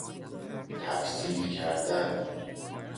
تفصیل کردن